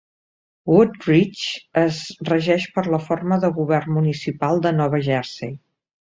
Wood-Ridge es regeix per la forma de govern municipal de Nova Jersey.